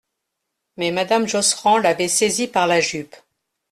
Mais madame Josserand l'avait saisie par la jupe.